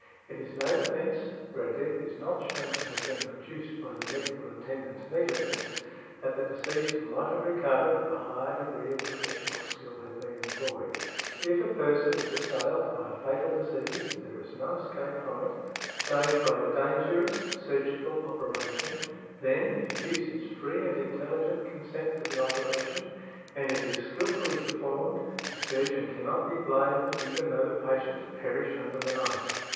It is no defence, where a death is not shewn to have been produced by the medical attendant's negligence, that the deceased might have recovered if a higher degree of professional skill had been employed . If a person is assailed by a fatal disease, and there is no escape from it, save by a dangerous surgical operation, then, if he gives his free and intelligent consent to the operation, and it is skilfully performed, the surgeon cannot be blamed even though the patient perish under the knife.